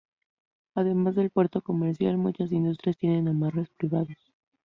Además del puerto comercial, muchas industrias tienen amarres privados.